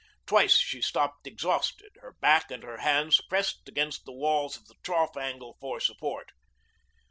Twice she stopped exhausted, her back and her hands pressed against the walls of the trough angle for support.